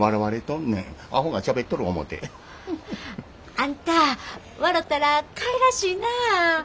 あんた笑たらかいらしいなあ。